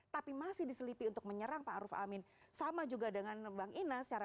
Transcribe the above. tapi masih diselipi untuk menyerang pak arief amin sama juga dengan nombang ina secara